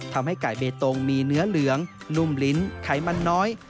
ทำให้ไก่เบตงมีเนื้อเหลืองนุ่มลิ้นไขมันน้อย